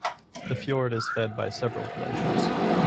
The fjord is fed by several glaciers.